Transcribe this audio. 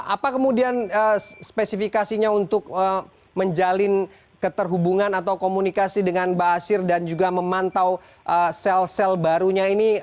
apa kemudian spesifikasinya untuk menjalin keterhubungan atau komunikasi dengan ⁇ baasyir ⁇ dan juga memantau sel sel barunya ini